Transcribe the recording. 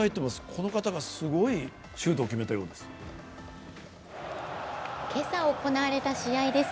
この方がすごいシュートを決めたそうです。